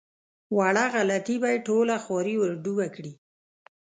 وړه غلطي به یې ټوله خواري ور ډوبه کړي.